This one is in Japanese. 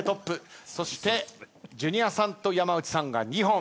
そしてジュニアさんと山内さんが２本。